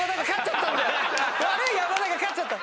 悪い山田が勝っちゃった！